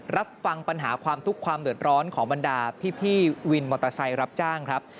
รับฟังปัญหาความทุกข์ความเดือดร้อนของบรรดาพี่วินมอเตอร์ไซค์รับจ้างครับ